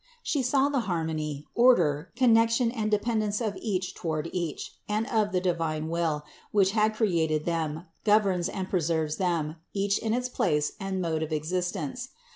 She saw the harmony, order, connection and dependence of each toward each, and of the divine will, which had created them, governs and preserves them, each in its place and mode of existence.